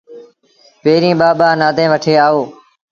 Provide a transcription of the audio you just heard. پيريٚݩ ٻآ ٻآ نآديٚݩ وٺي آئو۔